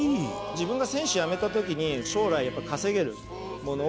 自分が選手辞めた時に将来やっぱ稼げるものを。